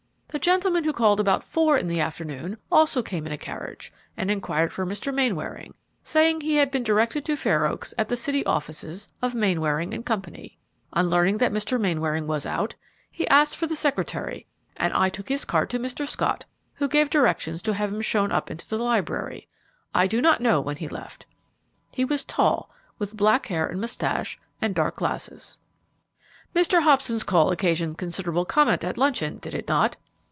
The gentleman who called about four in the afternoon also came in a carriage and inquired for Mr. Mainwaring, saying he had been directed to Fair Oaks at the city offices of Mainwaring & Co. On learning that Mr. Mainwaring was out, he asked for the secretary; and I took his card to Mr. Scott, who gave directions to have him shown up into the library. I do not know when he left. He was tall, with black hair and moustache and dark glasses." "Mr. Hobson's call occasioned considerable comment at luncheon, did it not?"